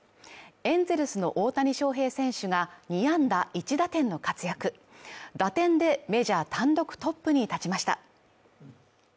エンゼルスの大谷翔平選手が２安打１打点の活躍打点でメジャー単独トップに立ちました。